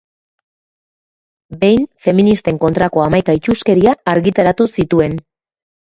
Behin feministen kontrako hamaika itsuskeria argitaratu zituen.